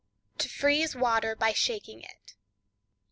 To Freeze Water by Shaking It.